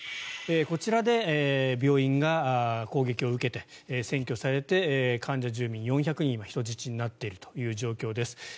こちらで病院が攻撃を受けて占拠されて患者や住民４００人が人質になっている状況です。